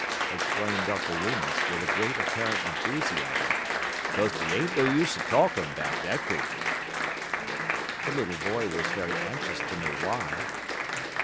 exclaimed Uncle Remus, with a great apparent enthusiasm, "'kaze dey ain't no use er talkin' 'bout dat creetur." The little boy was very anxious to know why.